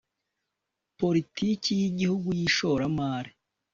politiki y Igihugu y ishoramari